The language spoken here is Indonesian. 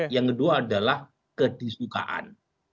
yang kedua adalah kedisukaan